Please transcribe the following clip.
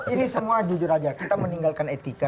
ini semua jujur aja kita meninggalkan etika